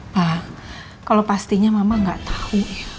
pak kalau pastinya mama nggak tahu